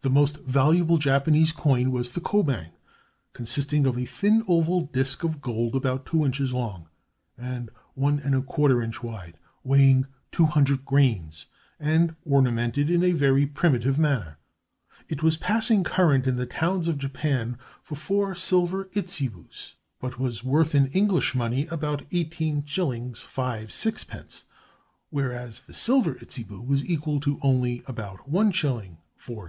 The most valuable Japanese coin was the kobang, consisting of a thin oval disk of gold about two inches long, and one and a quarter inch wide, weighing two hundred grains, and ornamented in a very primitive manner. It was passing current in the towns of Japan for four silver itzebus, but was worth in English money about 18_s._ 5_d._, whereas the silver itzebu was equal only to about 1_s._ 4_d.